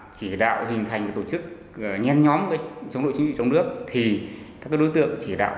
chỉ đạo hình thành tổ chức nhen nhóm chống độ chính trị trong nước thì các đối tượng chỉ đạo